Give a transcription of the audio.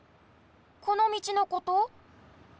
このみちのこと？